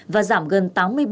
và giảm gần tám mươi ba